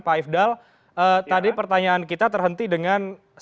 pak ifdal tadi pertanyaan kita terhenti dengan sebenarnya apa yang terjadi